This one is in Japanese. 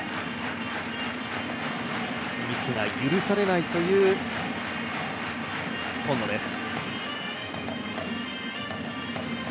ミスが許されないという今野です。